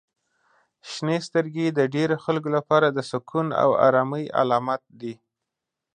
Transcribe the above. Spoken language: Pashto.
• شنې سترګې د ډیری خلکو لپاره د سکون او آرامۍ علامت دي.